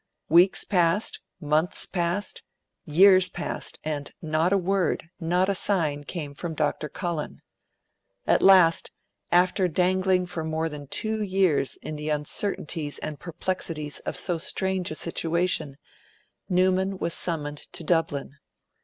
Weeks passed, months passed, years passed, and not a word, not a sign, came from Dr. Cullen. At last, after dangling for more than two years in the uncertainties and perplexities of so strange a situation, Newman was summoned to Dublin.